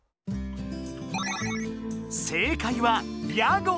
正解は「ヤゴ」。